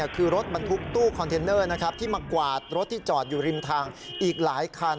คือรถบรรทุกตู้คอนเทนเนอร์ที่มากวาดรถที่จอดอยู่ริมทางอีกหลายคัน